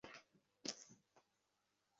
আমারও নিজের একটি ক্ষুদ্র কার্য-প্রণালী আছে।